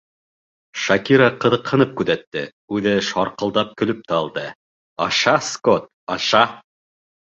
Шакира ҡыҙыҡһынып күҙәтте, үҙе шарҡылдап көлөп тә алды: «Аша, Скотт, аша».